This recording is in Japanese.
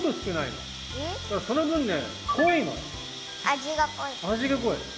味が濃いの？